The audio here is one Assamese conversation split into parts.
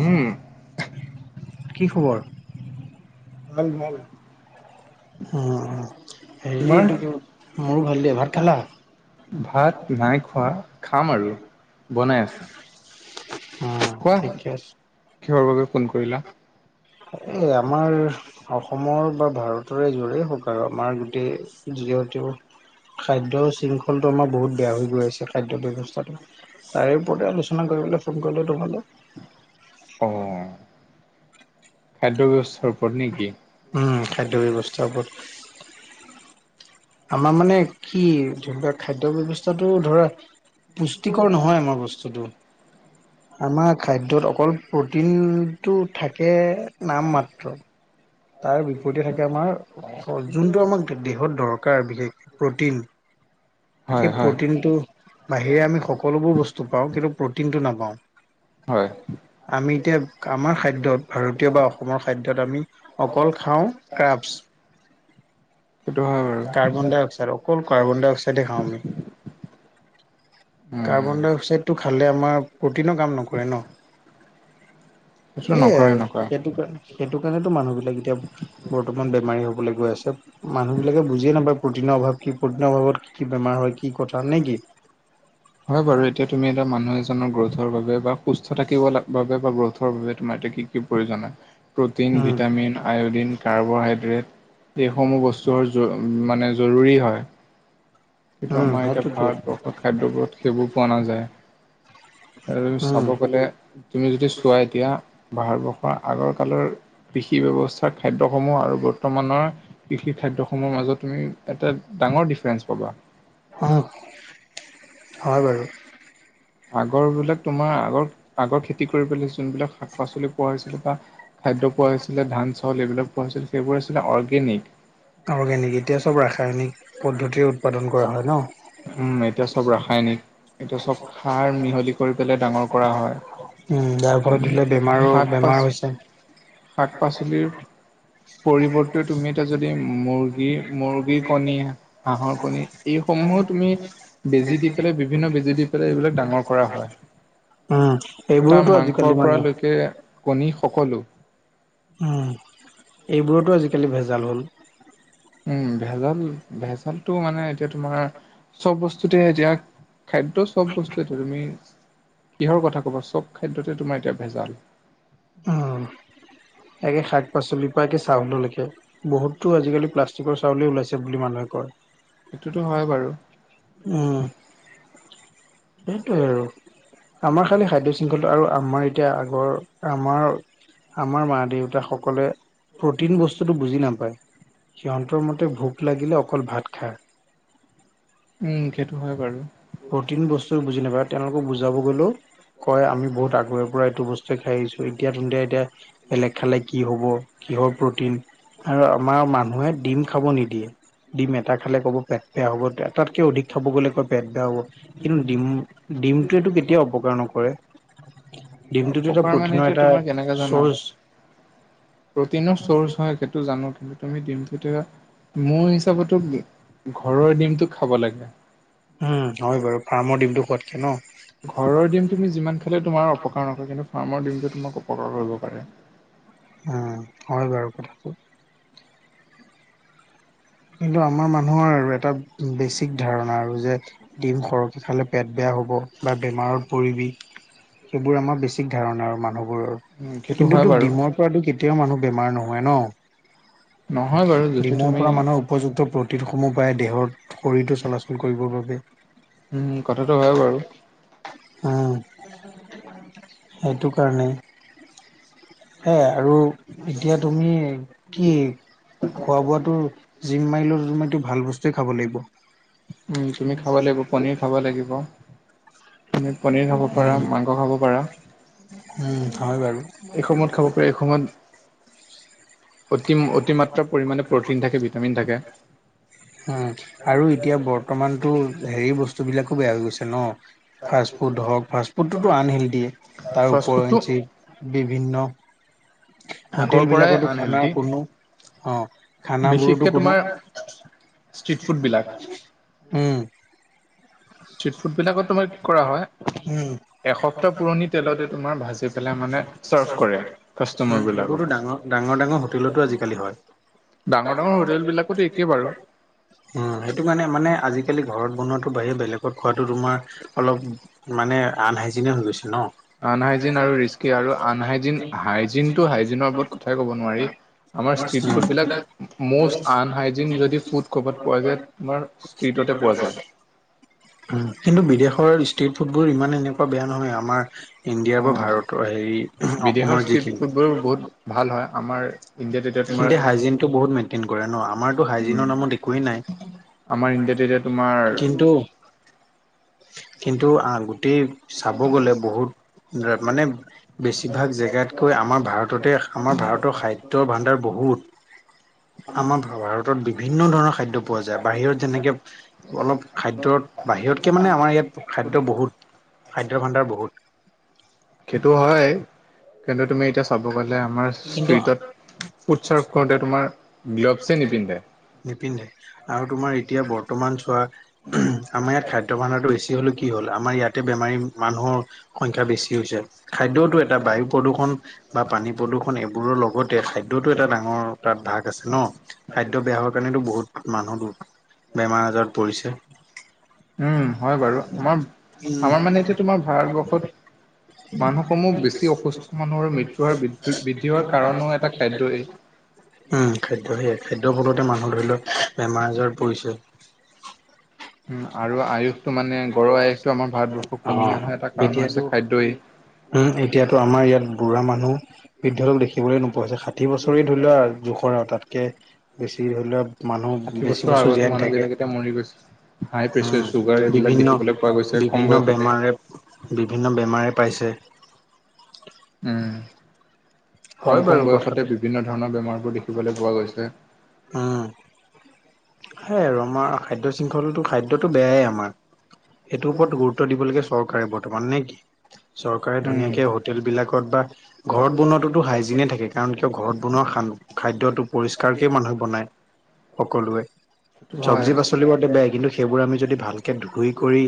উম, কি খবৰ? ভাল ভাল। হেৰি দ মোৰো ভাল দিয়া ভাত খালা? ভাত নাই খোৱা খাম আৰু বনাই আছে। অ' কোৱা ঠিকে আছে। কিহৰ বাবে ফোন কৰিলা? এই আমাৰ অসমৰ বা ভাৰতৰে যৰেই হক আৰু আমাৰ গোটেই যিহেতু খাদ্যৰ শৃংখলটো আমাৰ বহুত বেয়া হৈ গৈ আছে খাদ্যৰ ব্যৱস্থাটো। তাৰে ওপৰতে আলোচনা কৰিবলৈ ফোন কৰিলোঁ তোমাৰলৈ। অঁ, খাদ্য ব্যৱস্থাৰ ওপৰত নেকি? অঁ, খাদ্য ব্যৱস্থাৰ ওপৰত। আমাৰ মানে কি ধৰা খাদ্য ব্যৱস্থাটো ধৰা পুষ্টিকৰ নহয় আমাৰ বস্তু। আমাৰ খাদ্যত অকল প্ৰটিনটো থাকে নাম মাত্ৰ। তাৰ বিপৰীতে থাকে আমাৰ। অ যোনটো আমাক দেহত দৰকাৰ বিশেষকে প্ৰটিন। হয় সেই হয় প্ৰটিনটো। বাহিৰে আমি সকলোবোৰ বস্তু পাওঁ কিন্তু প্ৰটিনটো নাপাওঁ। হয়। আমি এতিয়া আমাৰ খাদ্যত ভাৰতীয় বা অসমৰ খাদ্যত আমি। অকল খাওঁ ক্ৰাফছ। সেইটো হয় কাৰ্বন বাৰু। ডাই অক্সাইড অকল কাৰ্বন ডাই অক্সাইডে খাওঁ আমি। উম। কাৰ্বন ডাই অক্সাইডটো খালে আমাৰ প্ৰ'টিনৰ কাম নকৰে ন? সেইটো সেইয়াই নকৰে আৰু নকৰে। সেইটো কাৰণে। সেইটো কাৰণেতো মানুহবিলাক এতিয়া বৰ্তমান বেমাৰী হ'বলৈ গৈ আছে। মানুহবিলাকে বুজিয়ে নাপায় প্ৰটিনৰ অভাৱ কি? প্ৰটিনৰ অভাৱত কি কি বেমাৰ হয়! কি কথা নে কি? হয় বাৰু, এতিয়া তুমি এটা মানুহ এজনৰ গ্ৰ'থৰ বাবে বা সুস্থ থাকিব বাবে বা গ্ৰোথৰ বাবে তোমাৰ এতিয়া কি প্ৰয়োজন হয় প্ৰটিন, উম ভিটামিন, আয়ডিন কাৰ্বহাইড্ৰেট এই সমূহ বস্তু মানে জৰুৰী হয়। কিন্তু উম আমাৰ এতিয়া সেইটোতো ভাৰতবৰ্ষৰ খাদ্যবোৰত সেইবোৰ পোৱা নাযায়। আৰু উম চাব! কলে তুমি যদি চোৱা এতিয়া, ভাৰতবৰ্ষৰ আগৰ কালৰ! কৃষি ব্যৱস্থাৰ খাদ্যসমূহ আৰু বৰ্তমানৰ কৃষি খাদ্য সমূহৰ মাজত তুমি এটা। ডাঙৰ ডিফাৰেন্ঞ্চ পাবা। অঁ হয় বাৰু! আগৰবিলাক তোমাৰ আগৰ, আগৰ খেতি কৰিবলৈ যোনবিলাক শাক-পাচলি পোৱা হৈছিলে বা! খাদ্য পোৱা হৈছিলে ধান চাউল এইবিলাক পোৱা হৈছিল সেইবোৰ আছিলে অৰ্গেনিক! অৰ্গেনিক এতিয়া সব ৰাসায়নিক পদ্ধতিৰে উৎপাদন কৰা হয় ন। উম এতিয়া চব ৰাসায়নিক, এতিয়া চব সাৰ মিহলি কৰি পেলাই ডাঙৰ কৰা হয়। উম! ডাৰ ঘৰত তুমি দিলে বেমাৰো শাক পাচ বেমাৰ হৈছে। শাক পাচলিৰ! পৰিৱৰ্তে তুমি এতিয়া যদি মুৰ্গী, মুৰ্গীৰ কণী! হাঁহৰ কণী এইসমূহত! তুমি বেজি দি পেলাই, বিভিন্ন বেজি দি পেলাই এইবিলাক ডাঙৰ কৰা হয়। উম এটা এইবোৰতো আজিকালি মাংসৰ পৰা মানে লৈকে কণী সকলো। উম! এইবোৰতো আজিকালি ভেজাল হ'ল। উম! ভেজাল, ভেজালটো মানে এতিয়া তোমাৰ! চব বস্তুতে এতিয়া, খাদ্য চব বস্তুটো তুমি! কিহৰ কথা কিবা, চব খাদ্যতে তোমাৰ এতিয়া ভেজাল। উম! একে শাক পাচলিৰ পৰা চাউল লৈকে। বহুতো আজিকালি প্লাষ্টিকৰ চাউলে ওলাইছে বুলি মানুহে কয়। সেইটোতো হয় বাৰু! উম! সেইটোৱে আৰু! আমাৰ খালি খাদ্য শৃংখলা আৰু আমাৰ এতিয়া আগৰ! আমাৰ, আমাৰ মা দেউতাসকলে প্ৰটিন বস্তুটো বুজি নাপায়। সিহঁতৰ মতে ভোক লাগিলে অকল ভাত খায়। উম সেইটো হয় বাৰু! প্ৰটিন বস্তু বুজি নাপায়, তেওঁলোকক বুজাব গ'লেও! কয় আমি বহুত আগৰে পৰা এইটো বস্তুৱে খাই আহিছো, এতিয়া তুন্তে এতিয়া! বেলেগ খালে কি হ'ব কিহৰ প্ৰটিন আৰু আমাৰ মানুহে ডিম খাব নিদিয়ে ডিম এটা খালে ক'ব পেট বেয়া হ'ব তাতকে অধিক খাব গ'লে কয় পেট বেয়া হ'ব কিন্তু ডিম ডিমটোৱেতটো কেতিয়াও অপকাৰ নকৰে ডিমটোতো এটা অপকাৰ মানে প্ৰটিনৰ এতিয়া এটা তোমাৰ কেনেকে জানা চৰ্চ প্ৰটিনৰ চৰ্চ হয় সেইটো জানো কিন্তু তুমি দিম তেতিয়া মোৰ হিচাপতো ঘৰৰ ডিমটো খাব লাগে উম হয় বাৰু ফাৰ্মৰ দিমটোো খোৱাতকে ন ঘৰৰ ডিম তুমি যিমান খালে তোমাৰ অপকাৰ নকৰে কিন্তু ফাৰ্মৰ ডিমটো তোমাক অপকাৰ কৰিব পাৰে উম হয় বাৰু কথাটো কিন্তু আমাৰ মানুহৰ আৰু এটা বেছিক ধাৰণা আৰু যে! ডিম সৰকৈ খালে পেট বেয়া হ'ব বা বেমাৰত পৰিবি! সেইবোৰ আমাৰ বেছিক ধাৰণা আৰু মানুহবোৰৰ! উম, সেইটো কিন্তু হয় তোক বাৰু ডিমৰ পৰাতো কেতিয়াও মানুহ বেমাৰ নহয় ন! নহয় বাৰু যদি ডিমৰ তুমি পৰা মানুহ উপযুক্ত প্ৰতিোধসমূহ প্ৰায় দেহৰ শৰীৰটো চলাচল কৰিবৰ বাবে কথাটো হয় বাৰু উম সেইটো কাৰণে সেৱে আৰু এতিয়া তুমি কি খোৱা বোৱাটো জিম মাৰিলে ৰুম এইটো ভাল বস্তুৱে খাব লাগিব তুমি খাব লাগিব পনীৰ খাব লাগিব তুমি পনিৰ খাব পাৰা উম, মাংস খাব পাৰা উম হয় বাৰু এই সময়ত খাব পাৰাৰে এইসময়ত অতি অতিমাত্ৰা পৰিমাণে প্ৰটিন থাকে ভিটামিন থাকে আৰু এতিয়া বৰ্তমানতটো হেৰি বস্তুবিলাকো বেয়া হৈ গৈছে ন ফাষ্টফুড হওক ফাষ্টফুডটোতো আনহেল্ডিয়ে তাৰ ফাষ্টফুডটো ওপৰিঞ্চি বিভিন্ন আগৰ হোটেল পৰাই বিলাকতো খানা আনহেল্ডি কোনো অ খানাবোৰতো বিশেষকে কোনো তোমাৰ ষ্ট্ৰিট ফুডবিলাক উম ষ্ট্ৰি ফুড বিলাকত তোমাৰ কি কৰা হয় উম এসপ্তাহ পুৰণি তেলতে তোমাৰ ভাজি পেলাই মানে চাৰ্ভ কৰে উম কাষ্টটমাৰ এইবোৰতো বিলাকক ডাঙৰ ডাঙৰ ডাঙৰ হোটেলতো আজিকালি হয় ডাঙৰ ডাঙৰ হোটেল বিলাকতো একেই বাৰু উম সেইটো মানে মানে আজিকালি ঘৰত বনোৱাটো বাহিৰে বেলেগত বেলেগত খোৱাটো তোমাৰ অলপ মানে আনহাইজেনে হৈ গৈছে ন আনহাইজিন আৰু ৰিস্কি আৰু আনহাইজিন হাইজিনটো হাইজিনৰ ওপৰত কথাই ক'ব নোৱাৰি আমাৰ ষ্ট্ৰিট ফুড ফুডবিলাক বিলাক ম'ষ্ট আনহাইজিন যদি ফুড ক'ৰবাত পোৱা যায় আমাৰ ষ্ট্ৰ্ৰীটতে পোৱা যায় উম কিন্তু বিদেশৰ ষ্টেট ফুডবোৰ ইমান এনেকুৱা বেয়া নহয় আমাৰ ইণ্ডিয়াৰ বা ভাৰতৰ হেৰি বিদেশৰ অসমৰ ষ্ট্ৰীট ফুডবোৰ যিখিনি বহুত ভাল হয় আমাৰ ইণ্ডিয়াত এতিয়া তোমাৰ সিহঁতি হাইজিনটো বহুত মেইনটেইন কৰে ন আমাৰতো উম, হাইজিনৰ নামত একোৱেই নাই আমাৰ ইণ্ডিয়াত এতিয়া তোমাৰ কিন্তু কিন্তু গোটেই চাব গ'লে বহুত মানে বেছিভাগ জেগাতকৈ আমাৰ ভাৰততে আমাৰ ভাৰতৰ খাদ্য ভাণ্ডাৰ বহুত আমাৰ ভাৰতত বিভিন্ন ধৰণৰ খাদ্য পোৱা যায় বাহিৰত যেনেকে অলপ খাদ্যত বাহিৰতকে মানে আমাৰ ইয়াত খাদ্য বহুত খাদ্য ভাণ্ডাৰ বহুত সেইটো হয় কিন্তু তুমি এতিয়া চাব গ'লে আমাৰ কিন্তু ষ্ট্ৰিটত ফুড চাৰ্ভ কৰোতে তোমাৰ গ্ল'ভছে নিপিন্ধে নিপিন্ধে আৰু তোমাৰ এতিয়া বৰ্তমান চোৱা‌ ওম আমাৰ ইয়াত খাদ্য ভাণ্ডাৰটো বেছি হ'লে কি হ'ল আমাৰ ইয়াতে বেমাৰী মানুহৰ সংখ্যা বেছি হৈছে খাদ্যতো এটা বায়ু প্ৰদূষণ বা পানী প্ৰদূষণ খন এইবোৰৰ লগতে খাদ্যতো এটা ডাঙৰ তাত ভাগ আছে ন খাদ্য বেয়া হোৱাৰ কাৰণেতো বহুত মানুহ বেমাৰ আজাৰত পৰিছে উম হয় বাৰু আমাৰ উম আমাৰ মানে এতিয়া তোমাৰ ভাৰতবৰ্ষত মানুহসমূহ বেছি অসুস্থ মানুহৰ মৃত্যু হোৱাৰ বৃদ্ধি বৃদ্ধি হোৱাৰ কাৰণও এটা খাদ্যই উম খাদ্য সেয়াই খাদ্য ফলতে মানুহ ধৰি লওক বেমাৰ আজাৰ পৰিছে উম, আৰু আয়ুসটো মানে গড়ৰ আয়ুসটো আমাৰ ভাৰতবৰ্ষত অ কমি অহা এটা কাৰণ হৈছে এতিয়াতো খাদ্যই। উম এতিয়াতো আমাৰ ইয়াত বুঢ়া মানুহ বৃদ্ধ লোক দেখিবলৈ নোপোৱা হৈছে ষাঠি বছৰে ধৰি লোৱা জোখৰ আৰু তাতকে বেছি ধৰি লওক মানুহ ষাঠি বেছি বছৰ আগতো জীয়াই নাথাকে মানুহবিলাক এতিয়া মৰি গৈছে। হাই প্ৰেছাৰ, চুগাৰ উম এইবিলাক বিভিন্ন দেখিবলৈ পোৱা গৈছে কম বিভিন্ন বয়সতে। বেমাৰে বিভিন্ন বেমাৰে পাইছে উম কম হয় কম বাৰু কথাটো। বয়সতে বিভিন্ন ধৰণৰ বেমাৰবোৰ দেখিবলৈ পোৱা গৈছে উম সেইয়া আৰু আমাৰ খাদ্য শৃংখলতো খাদ্যটো বেয়াই আমাৰ এইটো ওপৰত গুৰুত্ব দিব লাগে চৰকাৰে বৰ্তমান নে কি চৰকাৰে ধুনীয়াকে হোটেল বিলাকত উম। বা ঘৰত বনোৱাতোতো হাইজিনে থাকে থাকে কাৰণ কিয় ঘৰত বনোৱা খান খাদ্যটো পৰিষ্কাৰকেই মানুহে বনায় সকলোৱে হয়। চব্জি পাচলিবোৰতো বেয়াই কিন্তু সেইবোৰ আমি যদি ভালকে ধুই কৰি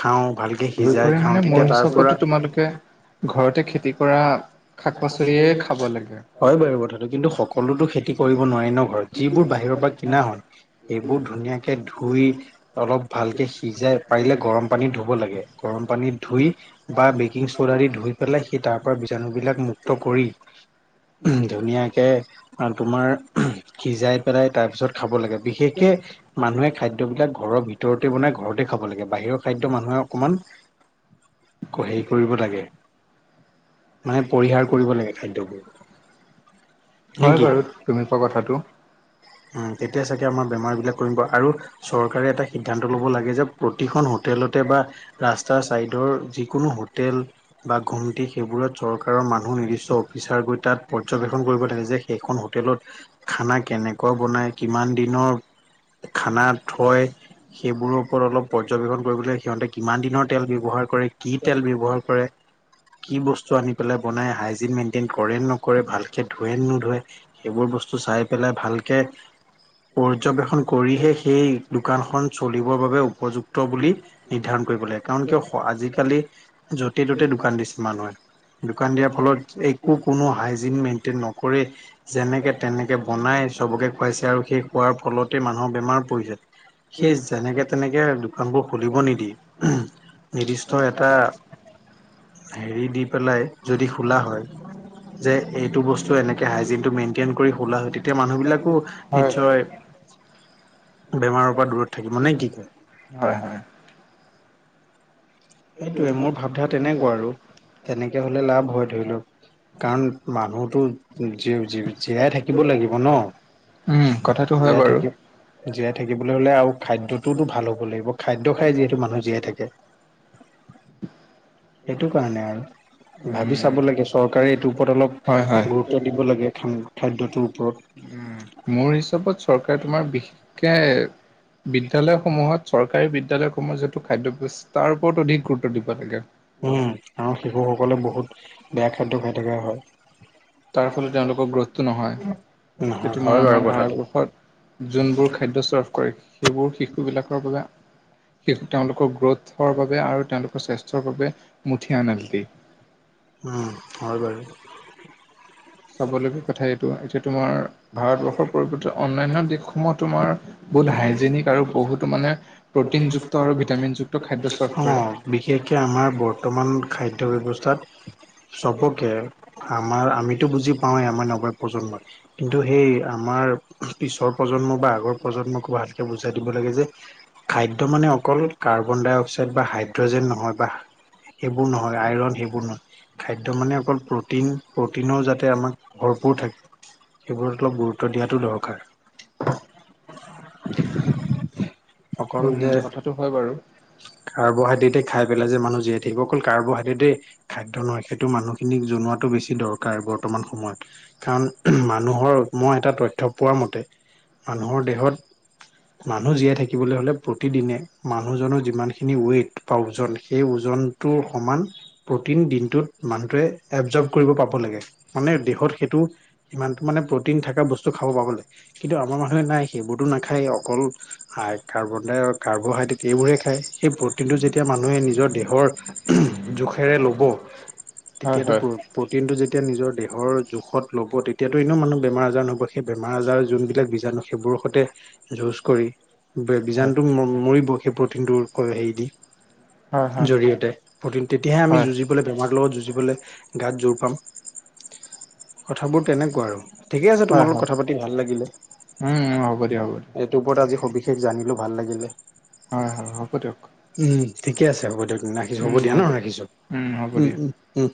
খাওঁ ভালকে ধুই সিজাই কৰি মানে খাওঁ মোৰ তেতিয়া তাৰ হিচাপতো পৰা তোমালোকে ঘৰতে খেতি কৰা শাক পাচলিয়ে খাব লাগে হয় বাৰু কথাটো কিন্তু সকলোতো খেতি কৰিব নোৱাৰাৰে ন ঘৰত যিবোৰ বাহিৰৰ পৰা কিনা হয় সেইবোৰ ধুনীয়াকে ধুই অলপ ভালকে সিজাই পাৰিলে গৰম পানীত ধুব লাগে গৰম পানীত ধুই বা বেকিং চ'ডা দি ধুই পেলাই সি তাৰ পৰা বীজাণু বিলাক মু কৰি ধুনীয়াকৈ তোমাৰ সিজাই পেলাই তাৰ পিছত খাব লাগে বিশেষকে মানুহে খাদ্যবিলাক ঘৰৰ ভিত ভিতৰতে বনাই ঘৰতে খাব লাগে বাহিৰৰ খাদ্য মানুহে অকণমান হেৰি কৰিব লাগে। মানে পৰিহাৰ কৰিব লাগে খাদ্যবোৰ। নে হয় কি বাৰু তুমি কোৱা কথাটো। তেতিয়া চাগে আমাৰ বেমাৰবিলাক কমিব আৰু চৰকাৰে এটা সিদ্ধান্ত ল'ব লাগে যে প্ৰতিখন হোটেলতে বা। ৰাস্তাৰ চাইডৰ যিকোনো হোটেল বা ঘুমটি সেইবোৰত চৰকাৰৰ মান মানুহ নিৰ্দিষ্ট অফিচাৰ গৈ তাত পৰ্যবেক্ষণ কৰিব লাগে যে সেইখন হোটেলত খানা কেনেকুৱা বনাই কিমান দিনৰ খানাত থয় সেইবোৰৰ ওপৰত অলপ পৰ্যবেক্ষণ কৰিবলৈ সিহঁতে কিমান দিনৰ তেল ব্যৱহাৰ কৰে কি তেল ব্যৱহাৰ কৰে কি বস্তু আনি পেলাই। বনাই হাইজিন মেন্তেন কৰে নে নকৰে ভালকে ধুৱে নে নোধোৱে। চ চাই পেলাই ভালকে। পৰ্যবেক্ষণ কৰিহে সেই দোকানখন চলিবৰ বাবে উপযুক্ত বুলি নিৰ্ধাৰণ কৰিব লাগে কাৰণ কিয় আজিকালি য'তে ত'তে দোকান দিছে মানুহে। দোকান দিয়াৰ ফলত একো কোনো হাইজিন মেইনটেইন নকৰে যেনেকে তেনেকে বনাই চবকে খুৱাইছে আৰু সেই খোৱাৰ ফলতে মানুহৰ বেমাৰ পৰিছে। সেই যেনেকে তেনেকে দোকানবোৰ খুলিব নিদি নিৰ্দিষ্ট এটা হেৰি দি পেলাই যদি খোলা হয়। যে এইটো বস্তু এনেকে হাইজিনটো মেইনটেইন কৰি খোলা হয় তেতিয়া মানুহবিলাকো হয় নিশ্চয়। বেমাৰৰ পৰা দূৰত থাকিব নেকি কয়। হয় হয়। সেইটোৱে মোৰ ভাৱধা তেনেকুৱা আৰু তেনেকৈ হ'লে লাভ হয় ধৰি লওক। কাৰণ মানুহটো জি জি জীয়াই থাকিব লাগিব ন উম কথাটো হয় জীয়াই বাৰু থাকে। জীয়াই থাকিবলৈ হ'লে আৰু খাদ্যটোওতো ভাল হ'ব লাগিব খাদ্য খাই যিহেতু মানুহে জীয়াই থাকে। সেইটো কাৰণে আৰু ভাবি উম চাব লাগে চৰকাৰে এইটোৰ ওপৰত হয় হয় অলপ গুৰুত্ব দিব লাগে খান খাদ্যটোৰ ওপৰত। উম, মোৰ হিচাপত। চৰকাৰ তোমাৰ বিশেষকে বিদ্যালয়সমূহত চৰকাৰী বিদ্যালয় [unintelligible] যে। খাদ্যব্যৱস্থাৰ ওপৰত অধিক গুৰুত্ব দিব লাগে। উম আৰু শিশুসকলে বহুত বেয়া খাদ্য খাই থকা হয়! তাৰ ফলত তেওঁলোকৰ গ্ৰথটো নহয়! এতিয়া নহয় হয় তোমাৰ বাৰু আমাৰ কথাটো ভাৰতবৰ্ষত যোনবোৰ খাদ্য চাৰ্ভ কৰে। সেইবোৰ শিশুবিলাকৰ বাবে। তেওঁলোকৰ গ্ৰথৰ বাবে আৰু তেওঁলোকৰ স্বাস্থ্যৰ বাবে মুঠিয়নালটি। উম, হয় বাৰু। চাবলগীয়া কথা এইটো এতিয়া তোমাৰ ভাৰতবৰ্ষৰ পৰিৱৰ্তে অন্যান্য দিশসমূহত তোমাৰ। বহুত হাইজেনিক আৰু বহুতো মানে প্ৰটিনযুক্ত আৰু ভিটামিনযুক্ত খাদ্য চাৰ্ভ কৰে। বিশেষকৈ আমাৰ বৰ্তমান খাদ্য ব্যৱস্থাত চবকে আমাৰ আমিতো বুজি পাওঁৱেই, আমাৰ নৱ প্ৰজন্মই কিন্তু সেই আমাৰ পিছৰ। প্ৰজন্মক বা আগৰ প্ৰজন্মকো ভালকে বুজাই দিব লাগে যে খাদ্য মানে অকল কাৰ্বনডাই অক্সাইড বা হাইড্ৰজেন নহয় বা সেইবোৰ নহয় আইৰণ সেইবোৰ নহয় খাদ্য মানে অকল প্ৰটিন প্ৰটিনৰ যাতে আমাক ভৰপূৰ থাকে সেইবোৰত অলপ গুৰুত্ব দিয়াতো দৰকাৰ অকল উম, যে কথাটো হয় বাৰু কাৰ্বহাইড্ৰেটে খাই পেলাই যে মানুহ জীয়াই থাকিব অকল কাৰ্বহাইড্ৰেটে খাদ্য নহয় সেইটো মানুহখিনিক জনোৱাতো বেছি দৰকাৰ বৰ্তমান সময়ত কাৰণ মানুহৰ মই এটা তথ্য পোৱা মতে মানুহৰ দেহত মানুহ জীয়াই থাকিবলৈ হ'লে প্ৰতিদিনে মানুহজনৰ যিমানখিনি ৱেইট বা ওজন সেই ওজনটোৰ সমান প্ৰটিন দিনটোত মানুহটোৱে এবজৰভ কৰিব পাব লাগে মানে দেহত সেইটো ইমানতো মানে প্ৰটিন থকা বস্তু খাব পাব লাগে কিন্তু আমাৰ মানুহে নাই সেইবোৰতো নাখায়েই, অকল খায় কাৰ্বনডাই অ কাৰ্বহাইড্ৰেট এইবোৰে খায় সেই প্ৰটিনটো যেতিয়া মানুহে নিজৰ দেহৰ জোখেৰে ল'ব হয়, তেতিয়াতো হয়, হয়, প্ৰ প্ৰটিনটো যেতিয়া নিজৰ দেহৰ জোখত ল'ব তেতিয়াতো এনেও মানুহ বেমাৰ আজাৰ নহ'ব, সেই বেমাৰ আজাৰ যোনবিলাক বীজাণু সেইবোৰৰ সৈতে যুঁজ কৰি বে হয়, বীজাণুটো ম মৰিব সেই প্ৰটিনটোৰ হেৰি দি হয়, জৰিয়তে প্ৰ'টিন তেতিয়াহে আমি হয়, যুঁজিবলৈ বেমাৰটোৰ লগত যুঁজিবলৈ গাত জোৰ পাম কথাবোৰ তেনেকোৱা আৰু ঠিকে আছে হয়, তোমাৰ লগত হয়। কথা পাতি ভাল লাগিলে উম, হ'ব দিয়া, হ'ব দিয়া, গ্ৰুপত আজি সবিশেষ জানিলো, ভাল লাগিলে। হয়, হব দিয়ক উম, ঠিকে আছে হ'ব দিয়ক ৰাখিছো হ'ব উম, দিয়া ন দিয়ক, ৰাখিছো হ'ব উম দিয়া। উম উম